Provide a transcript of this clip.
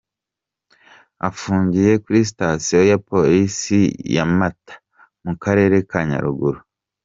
Afungiye kuri sitasiyo ya Polisi ya Mata mu karere ka Nyaruguru”.